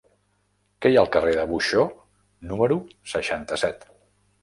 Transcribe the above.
Què hi ha al carrer de Buxó número seixanta-set?